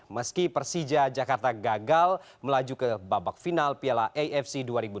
meski persija jakarta gagal melaju ke babak final piala afc dua ribu delapan belas